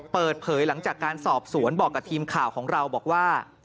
เปิดเผยหลังจากการสอบสวนบอกกับทีมข่าวของเราบอกว่า